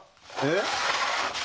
えっ？